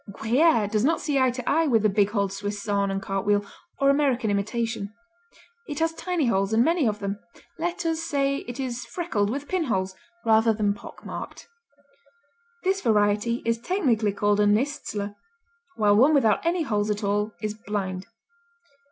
Gruyère does not see eye to eye with the big holed Swiss Saanen cartwheel or American imitation. It has tiny holes, and many of them; let us say it is freckled with pinholes, rather than pock marked. This variety is technically called a niszler, while one without any holes at all is "blind."